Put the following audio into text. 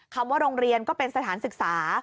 คำว่าโรงเรียนก็เป็นสถานศึกษา